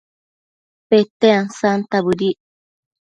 Pete ansanta bëdic